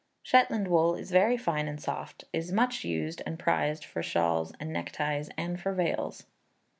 Shetland wool is very fine and soft, is much used, and prized for shawls and neckties and for veils.